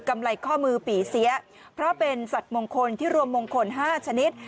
ไรข้อมือปี่เสียเพราะเป็นสัตว์มงคลที่รวมมงคล๕ชนิด